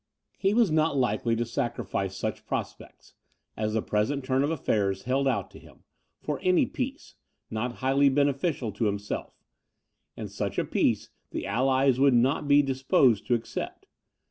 He was not likely to sacrifice such prospects, as the present turn of affairs held out to him, for any peace, not highly beneficial to himself; and such a peace the allies would not be disposed to accept.